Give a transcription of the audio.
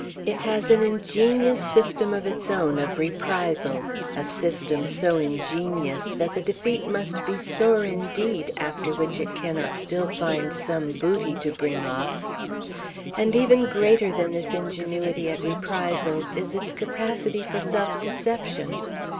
It has an ingenious system of its own, of reprisals, a system so ingenious that the defeat must be sore indeed, after which it cannot still find some booty to bring off! And even greater than this ingenuity at reprisals is its capacity for self deception.